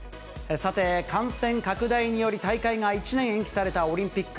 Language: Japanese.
さて、感染拡大により、大会が１年延期されたオリンピック。